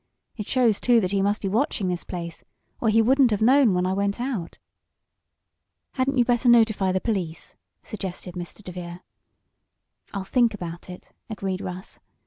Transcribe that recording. It shows, too, that he must be watching this place, or he wouldn't have known when I went out." "Hadn't you better notify the police?" suggested Mr. DeVere. "I'll think about it," agreed Russ.